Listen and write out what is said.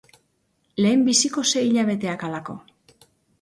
lehenbiziko sei hilabeteak halako.